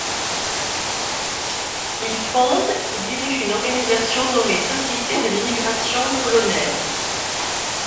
Il fonde et dirige une organisation nommée Société de l'Émigration polonaise.